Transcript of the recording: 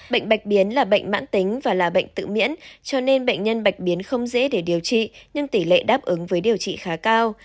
bệnh bạch biến là bệnh mãn tính và là bệnh tự miễn cho nên bệnh nhân bạch biến không dễ để điều trị nhưng tỷ lệ đáp ứng với điều trị khá cao